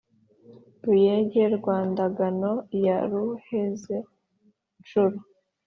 ruyege rwa ndagano ya ruheza-ncuro,